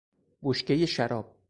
بشکهی شراب